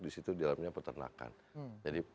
di situ dalamnya pertanakan jadi